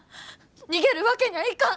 逃げるわけにゃあいかん！